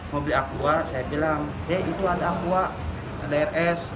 mau beli akua saya bilang dek itu ada akua ada rs